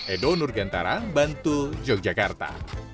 edo nurgentara bantu yogyakarta